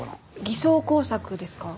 偽装工作ですか？